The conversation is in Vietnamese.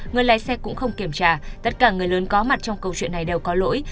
người lái xe cũng không kiểm tra tất cả người lớn có mặt trong câu chuyện này đều có lỗi